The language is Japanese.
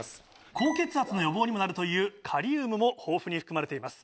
高血圧の予防にもなるというカリウムも豊富に含まれています。